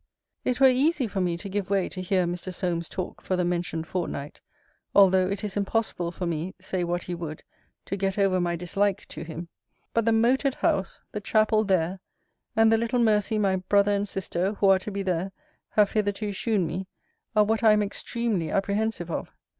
It were easy for me to give way to hear Mr. Solmes talk for the mentioned fortnight, although it is impossible for me, say what he would, to get over my dislike to him. But the moated house, the chapel there, and the little mercy my brother and sister, who are to be there, have hitherto shewn me, are what I am extremely apprehensive of.